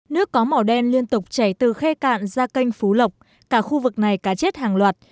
nước có màu đen liên tục chảy từ khe cạn ra kênh phú lộc cả khu vực này cá chết hàng loạt